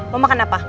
mau makan apa